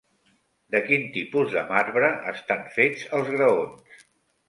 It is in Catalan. De quin tipus de marbre estan fets els graons?